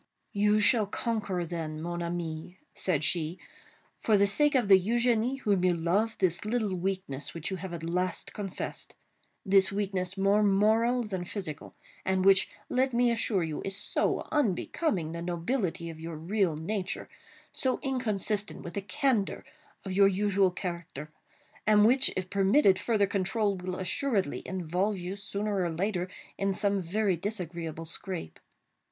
"You shall conquer, then, mon ami," said she, "for the sake of the Eugénie whom you love, this little weakness which you have at last confessed—this weakness more moral than physical—and which, let me assure you, is so unbecoming the nobility of your real nature—so inconsistent with the candor of your usual character—and which, if permitted further control, will assuredly involve you, sooner or later, in some very disagreeable scrape.